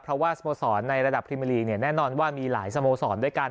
เพราะว่าสโมสรในระดับพรีเมอร์ลีกแน่นอนว่ามีหลายสโมสรด้วยกัน